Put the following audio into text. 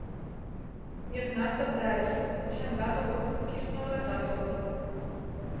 Йыгнат тогдайыш: пушеҥгат огыл, кӱртньӧ оратат огыл.